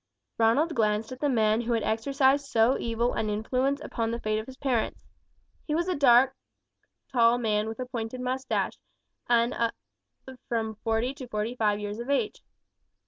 Ronald gazed at the man who had exercised so evil an influence upon the fate of his parents. He was a tall dark man with a pointed moustache, and of from forty to forty five years of age.